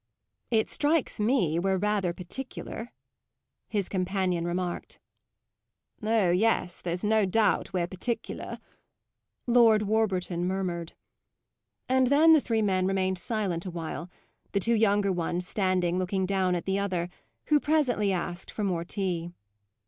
"It strikes me we're rather particular," his companion remarked. "Oh yes, there's no doubt we're particular," Lord Warburton murmured. And then the three men remained silent a while; the two younger ones standing looking down at the other, who presently asked for more tea.